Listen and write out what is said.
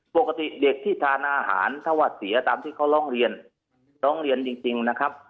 ปกติเด็กที่ทานอาหารถ้าว่าเสียตามที่เขาร้องเรียนร้องเรียนจริงนะครับ